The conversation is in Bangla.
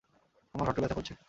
আমার হাঁটু ব্যাথা করছে!